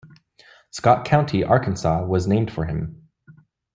Scott County, Arkansas was named for him.